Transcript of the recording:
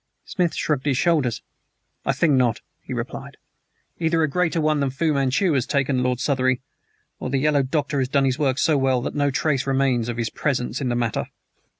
Smith shrugged his shoulders. "I think not," he replied. "Either a greater One than Fu Manchu has taken Lord Southery, or the yellow doctor has done his work so well that no trace remains of his presence in the matter."